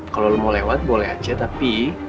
kalau lo mau lewat boleh aja tapi